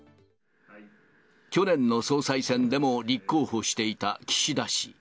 去年の総裁選でも立候補していた岸田氏。